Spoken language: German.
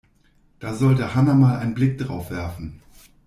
Da sollte Hanna mal einen Blick drauf werfen.